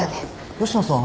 吉野さん